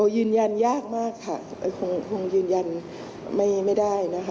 ยืนยันยากมากค่ะแต่คงยืนยันไม่ได้นะคะ